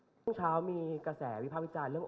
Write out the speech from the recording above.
คุณก็ไม่หยุดให้เราอย่างไหวเหรอฟังงานว่ากุฏเกาะ